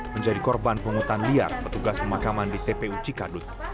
menjadi korban penghutan liar petugas pemakaman di tpu cikadut